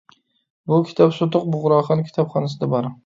بۇ كىتاب سۇتۇق بۇغراخان كىتابخانىسىدا بار.